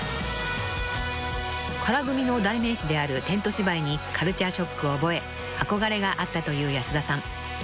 ［唐組の代名詞であるテント芝居にカルチャーショックを覚え憧れがあったという安田さん］